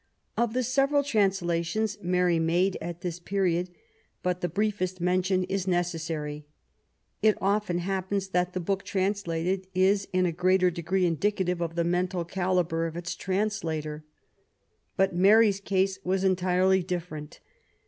Of the several translations Mary made at this period, but the briefest mention is necesssary. It often happens that the book translated is in a great degree indicative of the mental calibre of its translator ; but Mary s case was entirely diflFerent.